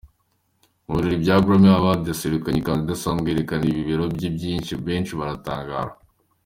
Mu birori bya Grammy Awards yaserukanye ikanzu idasanzwe yerekana ibibero bye benshi baratangara.